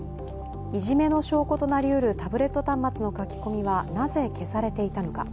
いじめの証拠となりうるタブレット端末の書き込みはなぜ消されていたのか。